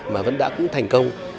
mà vẫn đã cũng thành công